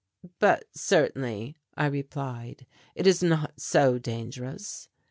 "But certainly," I replied, "it is not so dangerous."